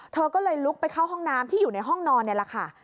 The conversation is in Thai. เธอก็เลยลุกไปเข้าห้องน้ำที่อยู่ในห้องนอนนี่แหละค่ะ